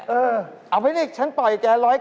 เออเอาไปสิฉันปอยนี่๑๙๙